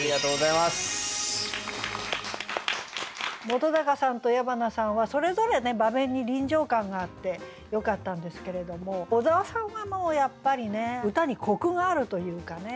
本さんと矢花さんはそれぞれ場面に臨場感があってよかったんですけれども小沢さんはやっぱり歌にコクがあるというかね。